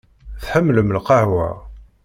Tḥemmel lqahwa.